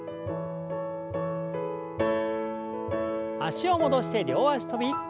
脚を戻して両脚跳び。